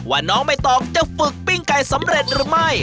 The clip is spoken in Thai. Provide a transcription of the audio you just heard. น้องใบตองจะฝึกปิ้งไก่สำเร็จหรือไม่